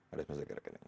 harus masuk ke rekening